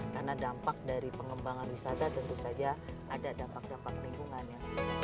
karena dampak dari pengembangan wisata tentu saja ada dampak dampak lingkungannya